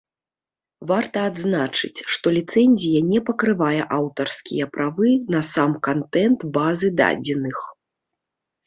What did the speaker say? Варта адзначыць што ліцэнзія не пакрывае аўтарскія правы на сам кантэнт базы дадзеных.